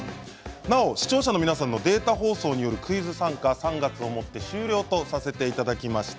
なお視聴者の皆さんのデータ放送によるクイズ参加は３月をもって終了させていただきました。